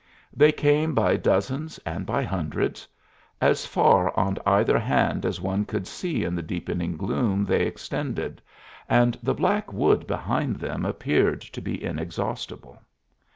They came by dozens and by hundreds; as far on either hand as one could see in the deepening gloom they extended and the black wood behind them appeared to be inexhaustible.